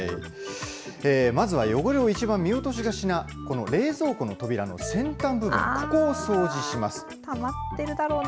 まずは汚れを一番見落としがちな、この冷蔵庫の扉の先端部分、ここあー、たまってるだろうな。